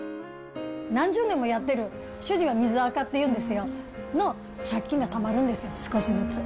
何十年もやってる、主人は水あかって言うんですよ、の、借金がたまるんですよ、少しずつ。